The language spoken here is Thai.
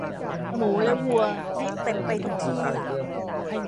หมูและวัววิ่งเต็มไปทุกที่